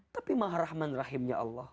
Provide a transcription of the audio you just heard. tapi maha rahman rahimnya allah